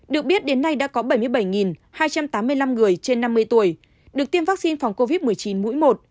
được biết đến nay đã có bảy mươi bảy hai trăm tám mươi năm người trên năm mươi tuổi được tiêm vaccine phòng covid một mươi chín mũi một